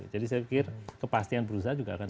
jadi saya pikir kepastian perusahaan